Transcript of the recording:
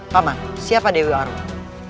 paman siapa dewi arundalu